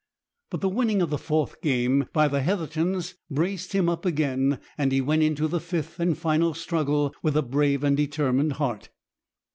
But the winning of the fourth game by the Heathertons braced him up again, and he went into the fifth and final struggle with a brave and determined heart.